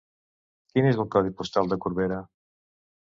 Quin és el codi postal de Corbera?